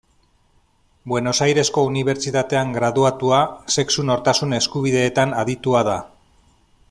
Buenos Airesko Unibertsitatean graduatua, sexu nortasun eskubideetan aditua da.